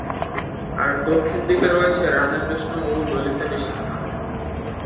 আর দক্ষিণ দিকে রয়েছে রাধাকৃষ্ণ ও ললিতা-বিশাখা।